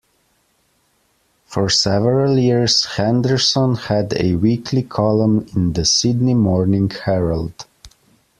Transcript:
For several years, Henderson had a weekly column in "The Sydney Morning Herald".